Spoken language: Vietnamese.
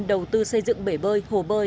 đầu tư xây dựng bể bơi hồ bơi